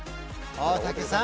大竹さん